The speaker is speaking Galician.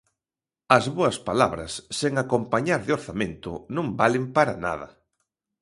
As boas palabras sen acompañar de orzamento non valen para nada.